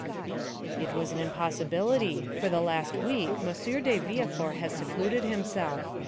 "It was an impossibility; for the last week M. de Villefort has secluded himself.